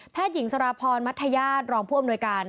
หญิงสารพรมัธยาศรองผู้อำนวยการ